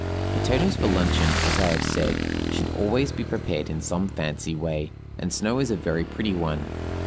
Potatoes for luncheon, as I have said, should always be prepared in some fancy way, and snow is a very pretty one.